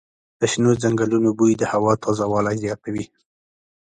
د شنو ځنګلونو بوی د هوا تازه والی زیاتوي.